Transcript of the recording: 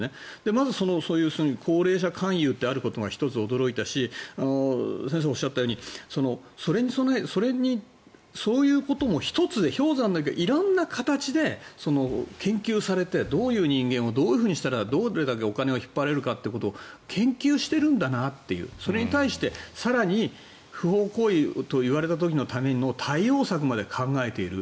まずそういう高齢者勧誘ってあるところが１つ驚いたし先生がおっしゃったようにそういうことに氷山の一角で色んな形で研究されて、どういう人間をどういうふうにしたらどれだけお金を引っ張れるかっていうことを研究しているんだというそれに対して更に不法行為と言われた時の対応策まで考えている。